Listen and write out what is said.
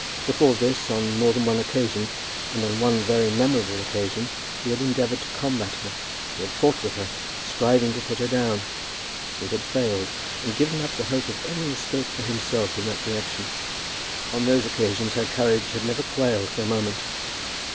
Before this, on more than one occasion, and on one very memorable occasion, he had endeavoured to combat her. He had fought with her, striving to put her down. He had failed, and given up the hope of any escape for himself in that direction. On those occasions her courage had never quailed for a moment.